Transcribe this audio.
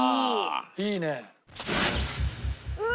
いいね！